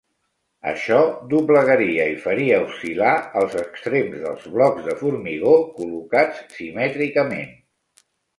Això doblegaria i faria oscil·lar els extrems dels blocs de formigó col·locats simètricament.